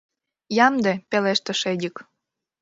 — Ямде! — пелештыш Эдик.